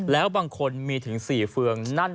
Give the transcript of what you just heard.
แล้วบางคนมีถึง๔เฟืองนั่น